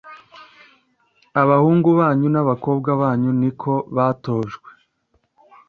abahungu banyu n abakobwa banyu ni ko batojwe